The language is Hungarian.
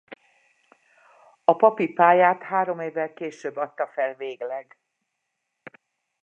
A papi pályát három évvel később adta fel végleg.